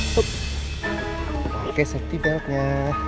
pake safety beltnya